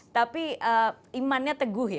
tapi imannya teguh ya